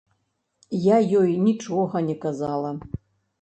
Я ёй нічога не казала.